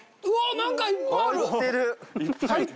何かいっぱいある。